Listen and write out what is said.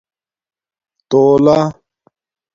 تݸلہ